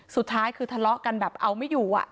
สุดท้ายคือทะเลาะกันแบบเอาไม่อยู่